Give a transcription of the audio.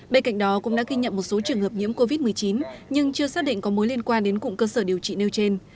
bên cạnh đó cũng đã ghi nhận một số trường hợp nhiễm covid một mươi chín nhưng chưa xác định có mối liên quan đến cụm cơ sở điều trị nêu trên